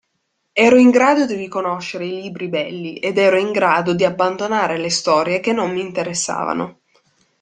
Ero in grado di riconoscere i libri belli ed ero in grado di abbandonare le storie che non mi interessavano.